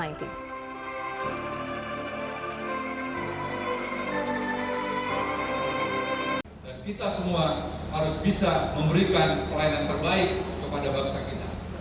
kita semua harus bisa memberikan pelayanan terbaik kepada bangsa kita